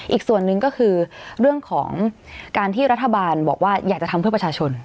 อีกส่วนหนึ่งก็คือเรื่องของการที่รัฐบาลบอกว่าอยากจะทำเพื่อประชาชน